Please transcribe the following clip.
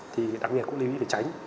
thì đặc biệt cũng lưu ý để tránh